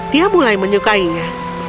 dia mulai menyukainya